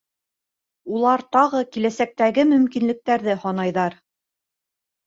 Улар тағы киләсәктәге мөмкинлектәрҙе һанайҙар: